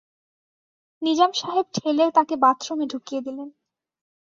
নিজাম সাহেব ঠেলে তাকে বাথরুমে ঢুকিয়ে দিলেন।